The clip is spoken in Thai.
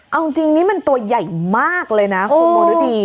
เอาจริงนี่มันตัวใหญ่มากเลยนะคุณโมรุดี